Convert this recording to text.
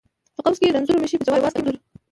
ـ په قوس کې رنځور مشې، په جواز کې مزدور.